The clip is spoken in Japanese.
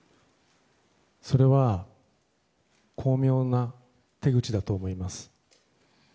それは巧妙な手口だと思います。